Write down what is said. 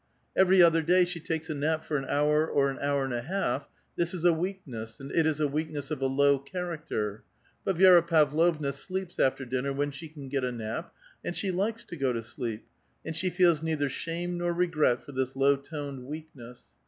Ever} other day she takes a nap for an hour or an hour and a half; this is a weakness, and it is a weakness of a low character. But Yi6ra Pavlovna sleeps after dinner when she can get a nap ; and she likes to go to sleep, and she feels neither shame nor re gret for this low toned weakness.